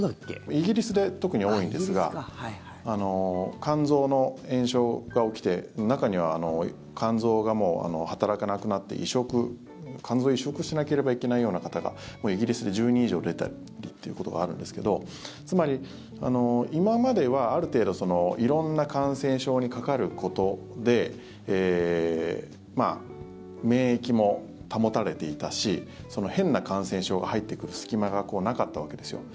イギリスで特に多いんですが肝臓の炎症が起きて中には肝臓が働かなくなって肝臓を移植しなければいけないような方がイギリスで１０人以上出たりってことがあるんですけどつまり、今まではある程度色んな感染症にかかることで免疫も保たれていたし変な感染症が入ってくる隙間がなかったわけですよ。